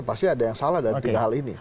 pasti ada yang salah dari tiga hal ini